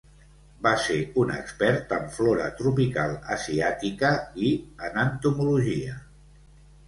Va ser un expert en flora tropical asiàtica, i en entomologia.